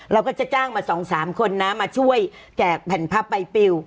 เราก็จะจ้างมาสองสามคนนะมาช่วยแจกแผ่นพับใบปริ้ว